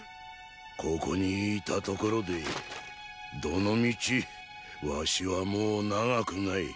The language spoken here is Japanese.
ここにいたところでどの道儂はもう長くない。